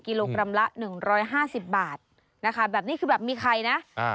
กิโลกรัมละหนึ่งร้อยห้าสิบบาทนะคะแบบนี้คือแบบมีไข่นะอ่า